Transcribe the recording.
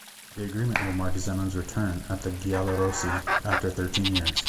The agreement will mark Zeman's return at the "Giallorossi" after thirteen years.